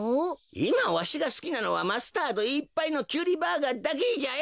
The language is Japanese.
いまわしがすきなのはマスタードいっぱいのキュウリバーガーだけじゃよ！